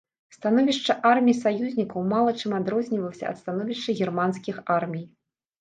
Становішча армій саюзнікаў мала чым адрознівалася ад становішча германскіх армій.